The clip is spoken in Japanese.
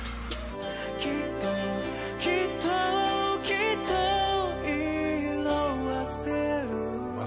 「きっときっときっと色褪せる」